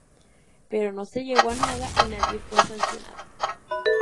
Pero no se llegó a nada y nadie fue sancionado.